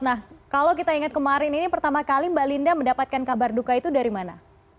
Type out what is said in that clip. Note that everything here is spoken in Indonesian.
nah kalau kita ingat kemarin ini pertama kali mbak linda mendapatkan kabar duka itu dari mana